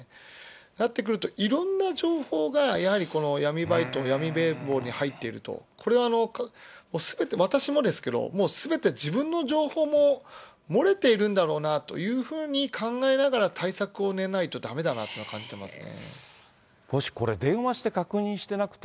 なってくると、いろんな情報がやはりこの闇バイト、闇名簿に入っていると、これはすべて私もですけど、もうすべて自分の情報も漏れているんだろうというふうに考えながら対策をねないとだめだなと感じてますね。